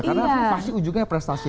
karena pasti ujungnya prestasi